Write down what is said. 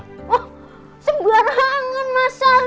oh sebarangan mas sal